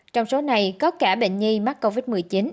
trong số này có cả bệnh nhi mắc covid một mươi chín